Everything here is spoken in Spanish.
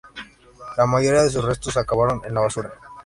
La mayoría de sus restos acabaron en la basura.